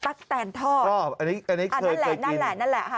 ตักแต่นทออันนี้เคยเคยกินอันนั้นแหละ